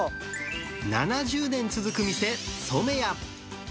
７０年続く店、染谷。